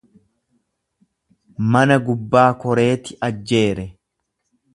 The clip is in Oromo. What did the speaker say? Mana gubbaa koreeti ajjeere.